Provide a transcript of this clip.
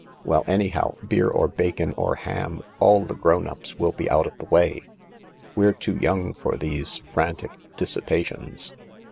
" Well, anyhow, beer or bacon or ham, all the grown ups will be out of the way. We're too young for these frantic dissi pations.